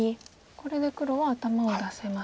これで黒は頭を出せました。